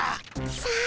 さあ